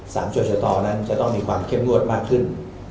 ตรวจชะตอนั้นจะต้องมีความเข้มงวดมากขึ้น